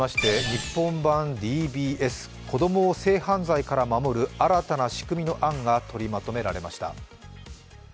日本版ＤＢＳ、子供を性犯罪から守る新たな仕組みの案が取りまとめられました。